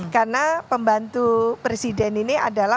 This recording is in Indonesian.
karena pembantu presiden ini adalah